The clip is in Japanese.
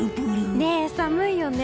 ね、寒いよね。